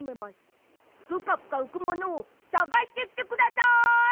ぷかぷかうくものをさがしてきてください！